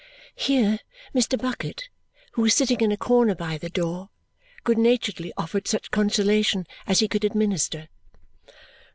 Here Mr. Bucket, who was sitting in a corner by the door, good naturedly offered such consolation as he could administer.